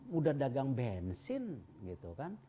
udah dagang bensin gitu kan